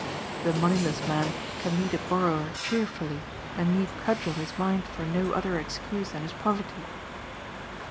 The moneyless man can meet a borrower cheerfully and need cudgel his mind for no other excuse than his poverty.